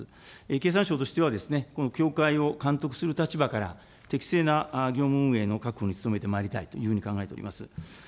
経産省としては、この協会を監督する立場から適正な業務運営の確保に努めてまいりたいというふうに考えております。